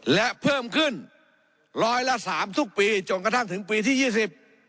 และเพิ่มขึ้น๑๐๐ล้า๓ทุกปีจนกระทั่งถึงปีที่๒๐